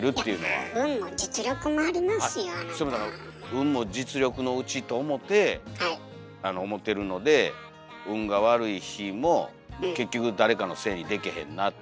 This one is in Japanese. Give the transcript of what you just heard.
運も実力のうちと思てあの思てるので運が悪い日も結局誰かのせいにでけへんなっていう。